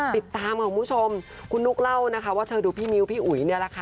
ติดตามค่ะคุณผู้ชมคุณนุ๊กเล่านะคะว่าเธอดูพี่มิ้วพี่อุ๋ยเนี่ยแหละค่ะ